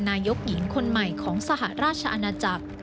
นายกหญิงคนใหม่ของสหราชอาณาจักร